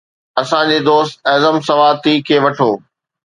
اسان جي دوست اعظم سواتي کي وٺو.